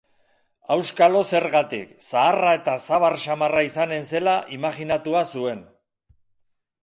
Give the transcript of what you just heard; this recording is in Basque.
Auskalo zergatik, zaharra eta zabar samarra izanen zela imajinatua zuen.